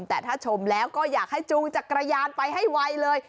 แต่ถ้าชมแล้วก็อยากให้จูงจักรยานไปให้ไวเลย